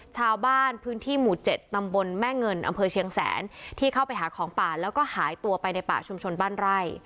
ชาวบ้านพื้นที่หมู่๗ตำบลแม่เงินอำเภอเชียงแสนที่เข้าไปหาของป่าแล้วก็หายตัวไปในป่าชุมชนบ้านไร่